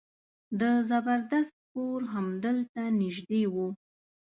د زبردست کور همدلته نژدې و.